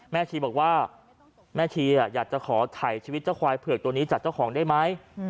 ชีบอกว่าแม่ชีอยากจะขอถ่ายชีวิตเจ้าควายเผือกตัวนี้จากเจ้าของได้ไหม